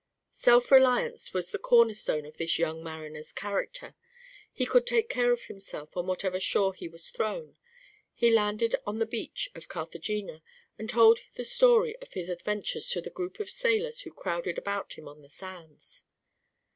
Self reliance was the corner stone of this young mariner's character. He could take care of himself on whatever shore he was thrown. He landed on the beach of Carthagena and told the story of his adventures to the group of sailors who crowded about him on the sands.